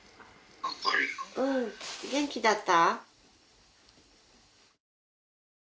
うん元気だった？